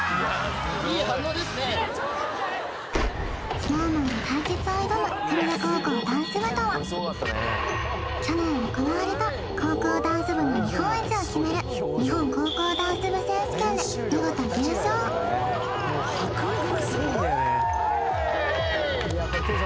ＳｎｏｗＭａｎが対決を挑む去年行われた高校ダンス部の日本一を決める日本高校ダンス部選手権で見事優勝フォーッ